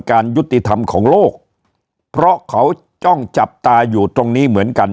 การยุติธรรมของโลกเพราะเขาจ้องจับตาอยู่ตรงนี้เหมือนกัน